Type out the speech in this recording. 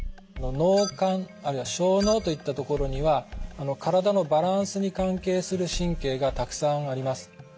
脳幹あるいは小脳といったところには体のバランスに関係する神経がたくさんあります。